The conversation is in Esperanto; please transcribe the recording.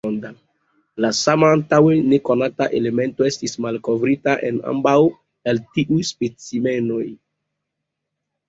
La sama antaŭe nekonata elemento estis malkovrita en ambaŭ el tiuj specimenoj.